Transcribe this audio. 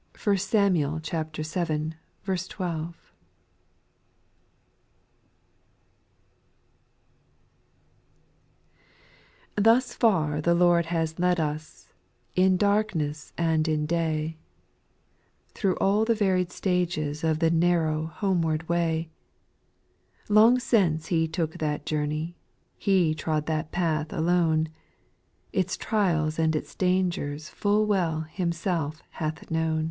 1 Samuel vii. 12. 1. rflHUS far the Lord has led us, in darkness X and in day, Thro' all the varied stages of the narrow homeward way ; Long since He took that journey. He trod that path alone. Its trials and its dangers f\x\\ Nvell Himself hath known.